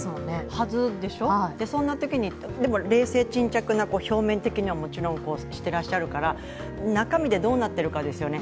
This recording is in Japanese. はずでしょ、そんなときに冷静沈着に表面的にはもちろんしてらっしゃるから、中身でどうなってるかですよね。